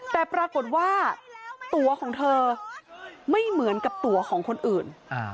แต่ปรากฏว่าตัวของเธอไม่เหมือนกับตัวของคนอื่น